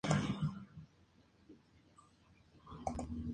Toda su carrera la ha realizado en su país natal.